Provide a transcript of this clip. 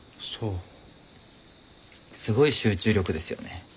すごい集中力ですよね。